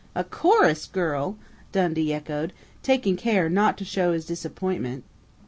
"A chorus girl!" Dundee echoed, taking care not to show his disappointment.